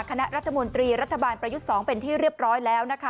คณะรัฐมนตรีรัฐบาลประยุทธ์๒เป็นที่เรียบร้อยแล้วนะคะ